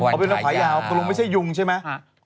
ก็เป็นขายาวก็ไม่ใช่หยุงใช่ไหม